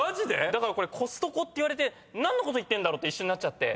だからコストコって言われて何のこと言ってんだろう？って一瞬なっちゃって。